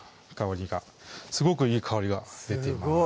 すごくいい香りが出ています